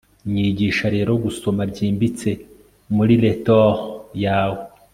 Nyigisha rero gusoma byimbitse muri retort yawe